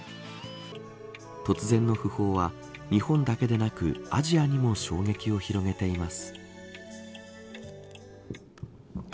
突然の訃報は日本だけでなくアジアにも衝撃を広げています。